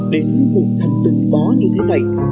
đến một thành tinh bó như thế này